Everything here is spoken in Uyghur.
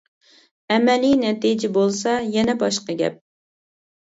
ئەمەلىي نەتىجە بولسا يەنە باشقا گەپ.